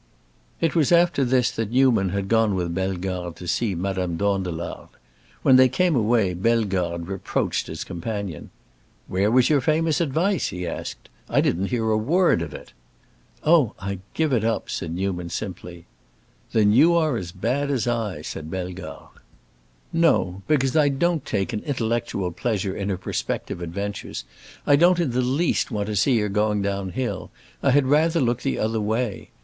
It was after this that Newman had gone with Bellegarde to see Madame Dandelard. When they came away, Bellegarde reproached his companion. "Where was your famous advice?" he asked. "I didn't hear a word of it." "Oh, I give it up," said Newman, simply. "Then you are as bad as I!" said Bellegarde. "No, because I don't take an 'intellectual pleasure' in her prospective adventures. I don't in the least want to see her going down hill. I had rather look the other way.